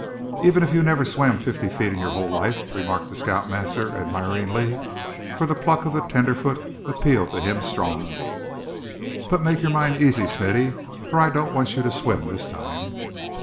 "Even if you never swam fifty feet in your whole life," remarked the scout master, admiringly, for the pluck of the tenderfoot appealed to him strongly; "but make your mind easy, Smithy, for I don't want you to swim, this time."